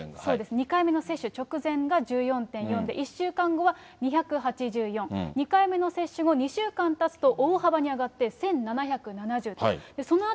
２回目の接種直前が１４．４で、１週間後は２８４、２回目の接種後２週間たつと大幅に上がって１７７０と。